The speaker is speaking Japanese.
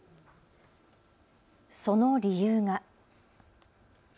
その理由が。